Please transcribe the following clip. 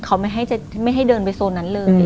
เขาไม่ให้เดินไปโซนนั้นเลย